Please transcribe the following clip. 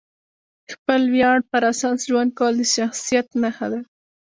د خپلې ویاړ پر اساس ژوند کول د شخصیت نښه ده.